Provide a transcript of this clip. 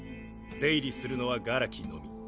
出入りするのは殻木のみ。